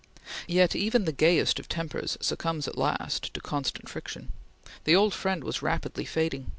Yet even the gayest of tempers succumbs at last to constant friction. The old friend was rapidly fading.